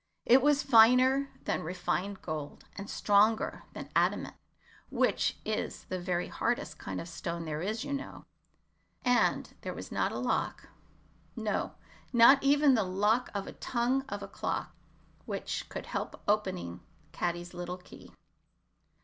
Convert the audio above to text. It was finer than refined gold, and stronger than adamant (which is the very hardest kind of stone there is, you know), and there was not a lock no, not even the lock of the tongue of a clock which could help opening to Caddy's little key.